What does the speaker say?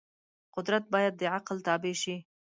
قدرت باید د عقل تابع شي.